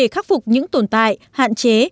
khắc phục những tồn tại hạn chế